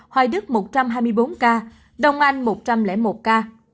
hoài đức một trăm hai mươi bốn ca đông anh một trăm linh một ca